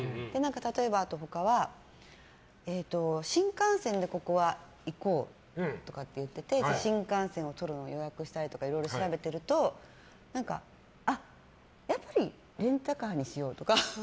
例えば、他は新幹線でここは行こうとかって言ってて新幹線を予約したりとかいろいろ調べてるとやっぱりレンタカーにしようとか。